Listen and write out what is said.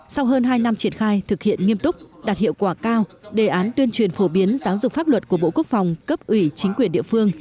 sau hơn hai năm triển khai thực hiện nghiêm túc đạt hiệu quả cao đề án tuyên truyền phổ biến giáo dục pháp luật của bộ quốc phòng cấp ủy chính quyền địa phương